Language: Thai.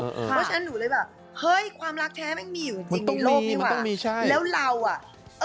เพราะฉะนั้นหนูเลยแบบเฮ้ยความรักแท้ไม่มีอยู่จริงในโลกนี้หว่า